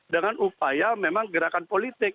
dengan upaya memang gerakan politik